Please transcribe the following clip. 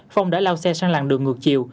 phong đã lao xe sang làng đường ngược chiều